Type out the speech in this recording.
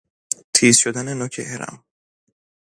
تیز شدن نوک هرم